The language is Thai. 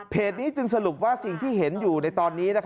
นี้จึงสรุปว่าสิ่งที่เห็นอยู่ในตอนนี้